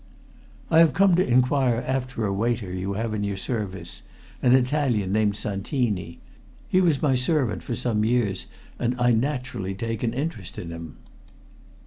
"I have come to inquire after a waiter you have in your service, an Italian named Santini. He was my servant for some years, and I naturally take an interest in him."